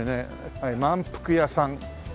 はい「まんぷくや」さん。